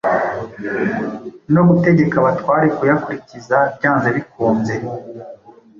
no gutegeka abatware kuyakurikiza byanze bikunze.